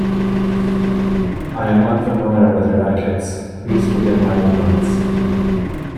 I am unfamiliar with your etiquettes, please forgive my ignorance.